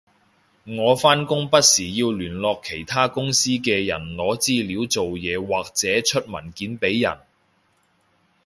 我返工不時要聯絡其他公司嘅人攞資料做嘢或者出文件畀人